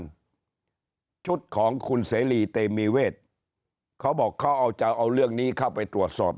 ชุดของคุณเสรีเตมีเวทเขาบอกเขาเอาจะเอาเรื่องนี้เข้าไปตรวจสอบ